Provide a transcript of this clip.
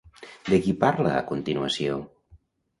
De qui parla a continuació?